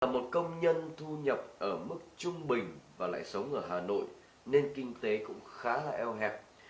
một công nhân thu nhập ở mức trung bình và lại sống ở hà nội nên kinh tế cũng khá là eo hẹp